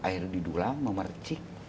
air di dulang memercik